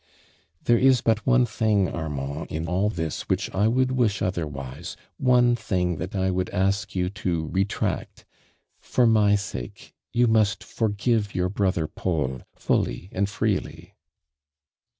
'•There is but one thing, Armand, in all this which I would wish otherwise — one thing that I would ask you to retract. For my sake, you must forgive your brother Paul, fully and freely."